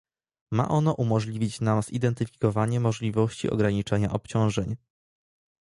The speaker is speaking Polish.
Ma ono umożliwić nam zidentyfikowanie możliwości ograniczenia obciążeń